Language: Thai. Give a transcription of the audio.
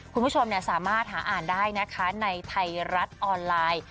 คุณผู้ชมสามารถหาอ่านได้นะคะในไทยรัฐออนไลน์